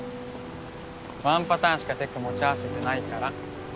ワンパターンしかテク持ち合わせてないから。